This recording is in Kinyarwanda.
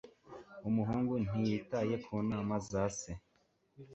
Umuhungu ntiyitaye ku nama za se